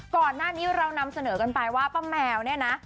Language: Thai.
ก่อนหน้านี้เรานำเสนอกันไปว่าป้าแมวเนี่ยนะ